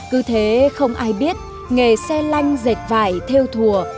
cứ thế không ai biết nghề xe lanh dệt vải theo thùa